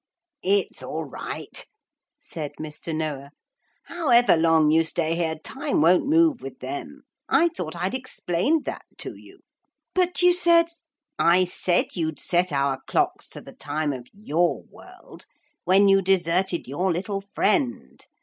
'It's all right,' said Mr. Noah. 'However long you stay here time won't move with them. I thought I'd explained that to you.' 'But you said ' 'I said you'd set our clocks to the time of your world when you deserted your little friend.